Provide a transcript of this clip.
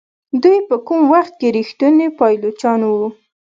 دوی په کوم وخت کې ریښتوني پایلوچان وو.